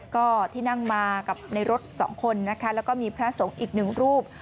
ก็ที่นั่งมากับในรถสองคนนะคะแล้วก็มีพระสงฆ์อีกหนึ่งรูป